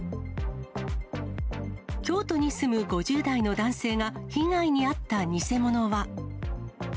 京都に住む５０代の男性が被害に遭った偽物は。